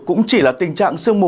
cũng chỉ là tình trạng sương mù